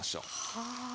はあ。